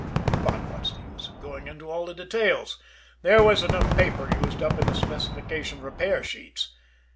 But what's the use of going into all the details there was enough paper used up in the specification repair sheets!